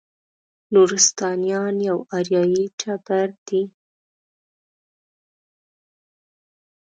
نورستانیان یو اریایي ټبر دی.